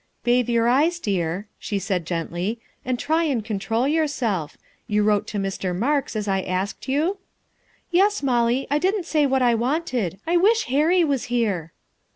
" Bathe your eyes, dear," she said gently, " and try and control yourself. You wrote to Mr. Marks, as I asked you?" " Yes, Molly, I didn't say what I wanted. I wish Harry was here."